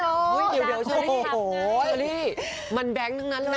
อยู่เดี๋ยวชัลลี่มันแบงค์ตั้งนั้นเลยล่ะ